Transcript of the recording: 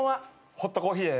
ホットコーヒーで。